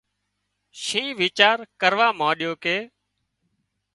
شينهن ويچار ڪروا مانڏيو ڪي